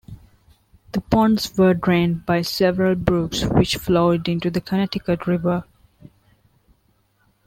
The ponds were drained by several brooks which flowed into the Connecticut River.